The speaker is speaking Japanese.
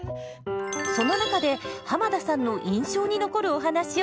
その中で濱田さんの印象に残るお話をご紹介。